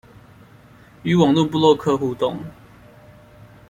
與網路部落客互動